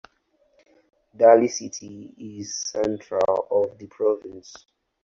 Dali city is the centre of the province.